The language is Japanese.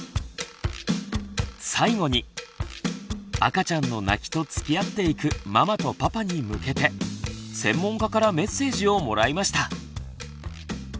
最後に赤ちゃんの泣きとつきあっていくママとパパに向けて専門家からメッセージをもらいました。